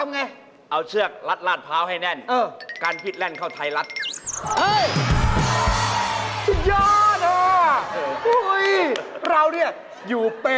นี่สุดจริงมั้ยเนี่ย